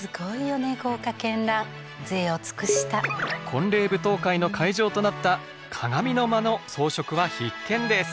婚礼舞踏会の会場となった「鏡の間」の装飾は必見です。